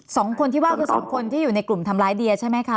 สองคนที่ว่าคือสองคนที่อยู่ในกลุ่มทำร้ายเดียใช่ไหมคะ